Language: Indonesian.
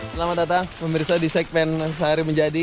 selamat datang pemirsa di segmen sehari menjadi